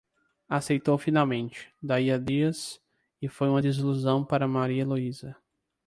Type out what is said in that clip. Aceitou finalmente, daí a dias, e foi uma desilusão para Maria Luísa.